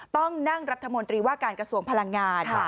ต้องนั่งรัฐมนตรีว่าการกระทรวงพลังงาน